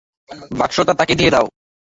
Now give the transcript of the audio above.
বাক্সটা তাকে দিয়ে দাও।